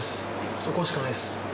そこしかないです。